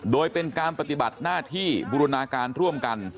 โดยเป็นการปฏิบัติหน้าที่บูรณาการร่วมกัน